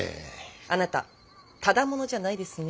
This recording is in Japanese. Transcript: あなたただ者じゃないですね。